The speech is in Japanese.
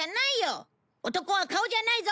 男は顔じゃないぞ！